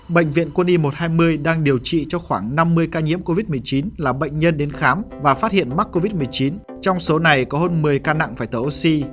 bệnh viện quân y một trăm hai mươi đang điều trị cho khoảng năm mươi ca nhiễm covid một mươi chín là bệnh nhân đến khám và phát hiện mắc covid một mươi chín trong số này có hơn một mươi ca nặng phải thở oxy